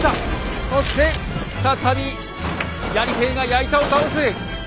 そして再びやり兵が矢板を倒す。